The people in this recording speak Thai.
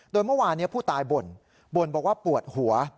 โดยเมื่อวานนี้ผู้ตายบ่นบ่นบอกว่าปวดหัว